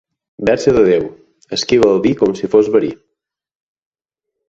Verge de Déu! Esquiva el vi com si fos verí.